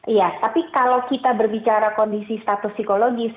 iya tapi kalau kita berbicara kondisi status psikologis